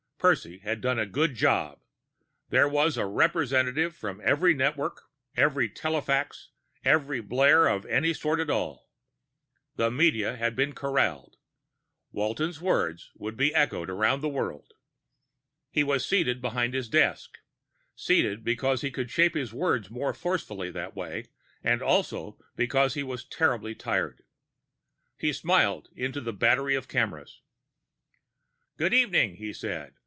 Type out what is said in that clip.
Percy had done a good job; there was a representative from every network, every telefax, every blare of any sort at all. The media had been corralled. Walton's words would echo round the world. He was seated behind his desk seated, because he could shape his words more forcefully that way, and also because he was terribly tired. He smiled into the battery of cameras. "Good evening," he said.